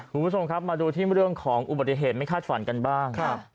ครอบครัวครัวครัวครัวมาดูที่เรื่องของอุบัติเหตุไม่คาดฝันกันบ้าง